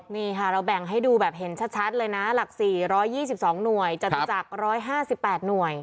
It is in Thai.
นี่ค่ะเราแบ่งให้ดูแบบเห็นชัดเลยนะหลัก๔๒๒หน่วยจตุจักร๑๕๘หน่วย